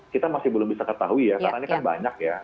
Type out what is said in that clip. kita masih belum bisa ketahui ya karena ini kan banyak ya